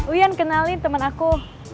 uyan kenalin temen aku